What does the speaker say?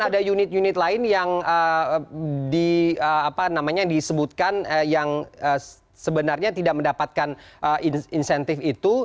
ada unit unit lain yang disebutkan yang sebenarnya tidak mendapatkan insentif itu